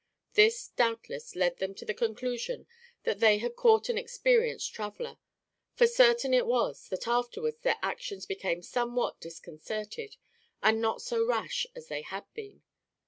This, doubtless, led them to the conclusion that they had caught an experienced traveler; for, certain it was, that afterwards their actions became somewhat disconcerted and not so rash as they had been.